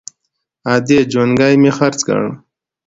_ادې! جونګی مې خرڅ کړ!